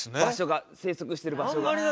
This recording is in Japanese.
場所が生息してる場所が。